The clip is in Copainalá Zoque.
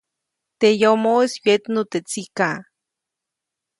Teʼ yomoʼis wyetnu teʼ tsikaʼ.